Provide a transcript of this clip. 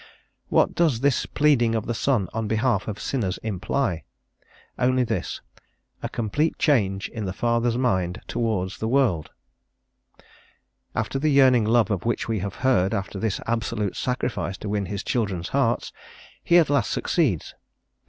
What does this pleading of the Son on behalf of sinners imply? Only this a complete change in the Father's mind towards the world. After the yearning love of which we have heard, after this absolute sacrifice to win His children's hearts, He at last succeeds.